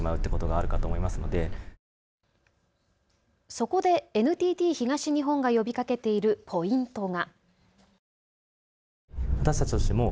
そこでＮＴＴ東日本が呼びかけているポイントが。